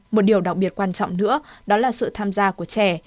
một điều đặc biệt quan trọng nữa đó là sự tham gia của trẻ